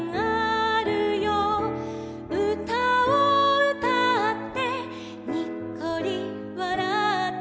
「うたをうたってにっこりわらって」